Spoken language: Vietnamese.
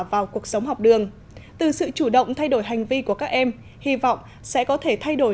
vào cuộc sống học đường từ sự chủ động thay đổi hành vi của các em hy vọng sẽ có thể thay đổi